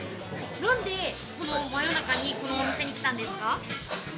何で真夜中に、このお店に来たんですか？